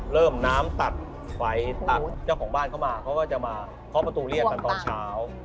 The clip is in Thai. น้ำตัดไฟตัดเจ้าของบ้านเข้ามาเขาก็จะมาเคาะประตูเรียกกันตอนเช้า